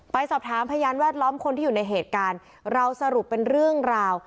ไปสอบถามพยานแวดล้อมคนที่อยู่ในเหตุการณ์เราสรุปเป็นเรื่องราว